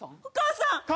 お母さん！